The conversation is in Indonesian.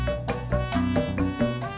tidak ada yang bisa dihukum